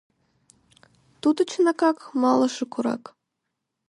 Тудо, чынакак, малыше корак!